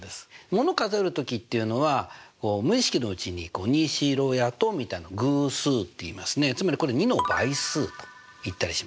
もの数える時っていうのは無意識のうちに２４６８１０みたいな偶数っていいますねつまりこれ２の倍数といったりします。